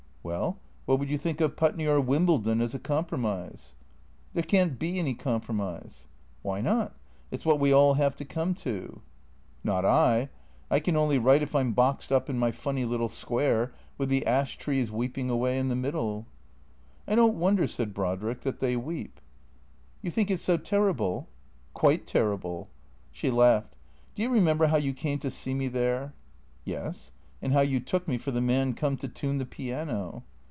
"Well — what would you think of Putney or Wimbledon as a compromise ?"" There can't be any compromise." " Why not ? It 's what we all have to come to." " Not I. I can only write if I 'm boxed up in my funny little square, with the ash trees weeping away in the middle." " I don't wonder," said Brodrick, " that they weep." " You think it 's so terrible ?"" Quite terrible." She laughed. " Do you remember how you came to see me there?" " Yes. And how you took me for the man come to tune the piano."